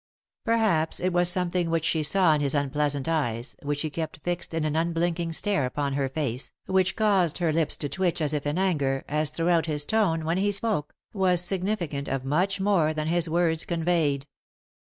Perhaps it was something which she saw in his unpleasant eyes, which he kept fixed in an unblinking stare upon her race, which caused her lips to twitch as if in anger, as throughout his tone, when he spoke, was significant of much more than his words conveyed.